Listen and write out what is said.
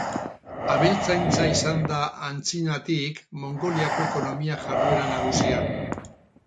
Abeltzaintza izan da antzinatik Mongoliako ekonomia jarduera nagusia.